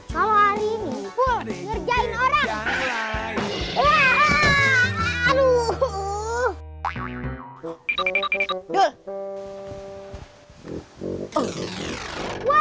kalo hari ini ngerjain orang